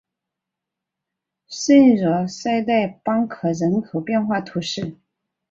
圣若塞代邦克人口变化图示